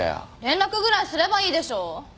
連絡ぐらいすればいいでしょ。